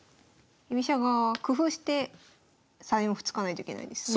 居飛車側は工夫して３四歩突かないといけないですね。